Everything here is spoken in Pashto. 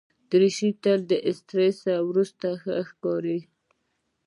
دریشي تل له استري وروسته ښه ښکاري.